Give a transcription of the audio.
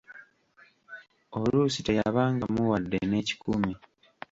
Oluusi teyabangamu wadde n'ekikumi.